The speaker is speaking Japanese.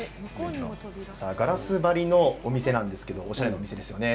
ガラス張りのお店なんですがおしゃれですね。